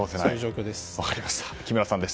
木村さんでした。